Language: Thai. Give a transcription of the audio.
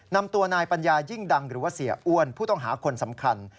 นำตัวนายปัญญายิ่งดังหรือว่าเสียอ้วนผู้ต้องหาคนสำคัญ